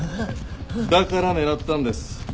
だから狙ったんです。